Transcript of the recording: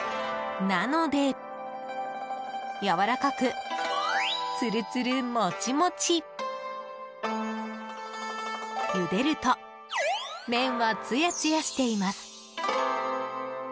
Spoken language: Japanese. なので、やわらかくつるつるもちもち！ゆでると麺はツヤツヤしています。